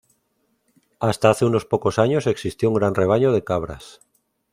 Hasta hace unos pocos años existió un gran rebaño de cabras.